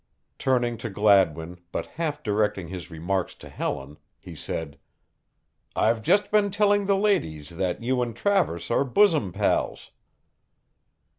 Turning to Gladwin, but half directing his remarks to Helen, he said: "I've just been telling the ladies that you and Travers are bosom pals."